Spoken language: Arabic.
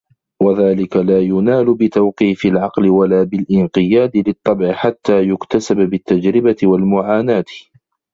وَذَلِكَ لَا يُنَالُ بِتَوْقِيفِ الْعَقْلِ وَلَا بِالِانْقِيَادِ لِلطَّبْعِ حَتَّى يُكْتَسَبَ بِالتَّجْرِبَةِ وَالْمُعَانَاةِ